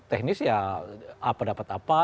teknis ya apa dapat apa